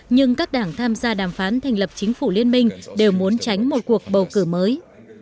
nhưng các đảng tham gia đàm phán thành lập chính phủ liên minh đều muốn tránh một cuộc bầu cử mới